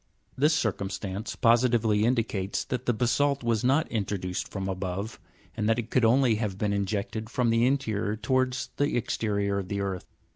This circumstance positively indicates that the basa'lt was not in troduced from above, and that it could only have been injected from the interior towards the exterior of the earth.